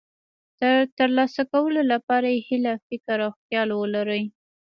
د ترلاسه کولو لپاره یې هیله، فکر او خیال ولرئ.